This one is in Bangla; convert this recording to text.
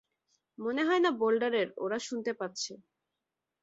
মনে হয় না বোল্ডারের ওরা শুনতে পাচ্ছে।